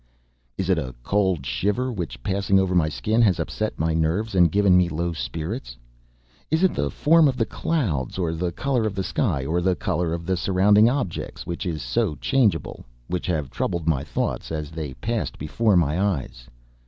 Is it a cold shiver which, passing over my skin, has upset my nerves and given me low spirits? Is it the form of the clouds, or the colour of the sky, or the colour of the surrounding objects which is so changeable, which have troubled my thoughts as they passed before my eyes?